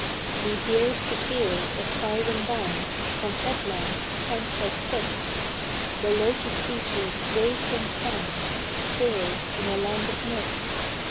He hears the hail of Siren bands From headlands sunset kissed; The Lotus eaters wave him hands Pale in a land of mist.